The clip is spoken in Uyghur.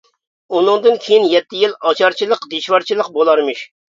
ئۇنىڭدىن كېيىن يەتتە يىل ئاچارچىلىق دىشۋارچىلىق بولارمىش.